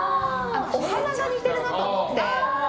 お鼻が似てるなと思って。